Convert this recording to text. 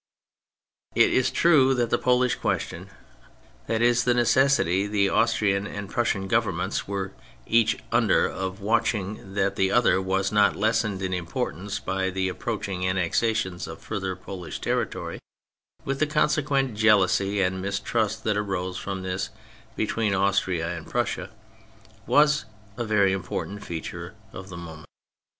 It is true that the Polish question (that is the necessity the Austrian and Prussian Govern ments were each under of watching that the other was not lessened in importance by the approaching annexations of further Polish territory with the consequent jealousy and mistrust that arose from this between Austria and Prussia) was a very important feature of the moment.